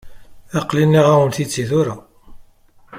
Aql-i nniɣ-awen-t-id si tura.